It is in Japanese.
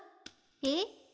えっ？